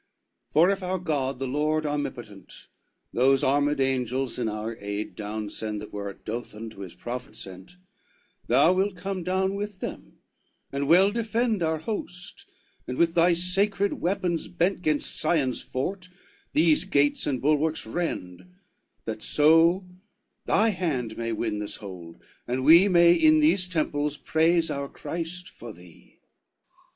LXX "For if our God the Lord Armipotent Those armed angels in our aid down send That were at Dothan to his prophet sent, Thou wilt come down with them, and well defend Our host, and with thy sacred weapons bent Gainst Sion's fort, these gates and bulwarks rend, That so by hand may win this hold, and we May in these temples praise our Christ for thee."